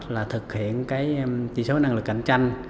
là thực hiện chỉ số năng lực cạnh tranh